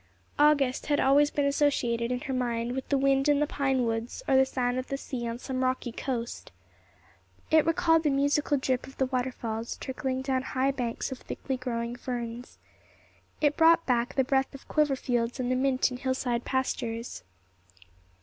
August had always been associated in her mind with the wind in the pine woods, or the sound of the sea on some rocky coast. It recalled the musical drip of the waterfalls trickling down high banks of thickly growing ferns. It brought back the breath of clover fields and the mint in hillside pastures.